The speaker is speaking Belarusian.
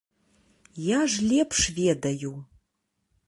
Я ж лепш ведаю!